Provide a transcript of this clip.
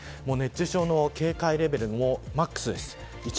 熱中症の警戒レベルもマックスです。